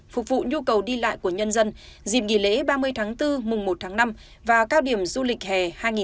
phục vụ nhu cầu đi lại của nhân dân dịp nghỉ lễ ba mươi tháng bốn mùng một tháng năm và cao điểm du lịch hè hai nghìn hai mươi bốn